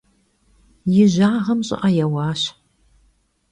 Yi jağem ş'ı'e yêuaş.